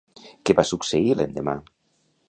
Què va succeir l'endemà?